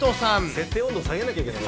設定温度下げなきゃならない。